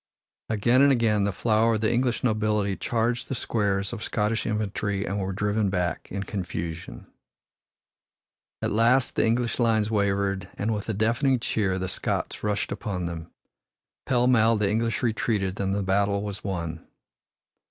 Again and again the flower of the English nobility charged the squares of Scottish infantry and were driven back in confusion. At last the English lines wavered and with a deafening cheer the Scots rushed upon them. Pell mell the English retreated and the battle was won.